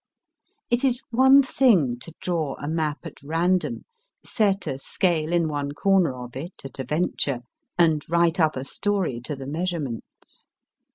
It is one thing to draw a map at random, set a scale in one corner of it STEVENSON TELLING YARNS at a venture, and write up a story to the measurements.